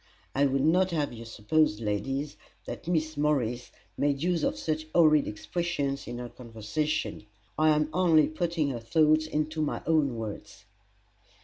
[I would not have you suppose, ladies, that Miss Morris made use of such horrid expressions in her conversation: I am only putting her thoughts into my own words.